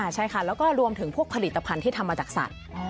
ใช่ค่ะแล้วก็รวมถึงพวกผลิตภัณฑ์ที่ทำมาจากสัตว์